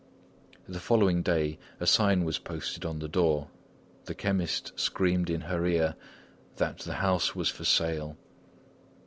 The following day a sign was posted on the door; the chemist screamed in her ear that the house was for sale.